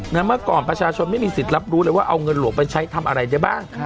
เมื่อก่อนประชาชนไม่มีสิทธิ์รับรู้เลยว่าเอาเงินหลวงไปใช้ทำอะไรได้บ้าง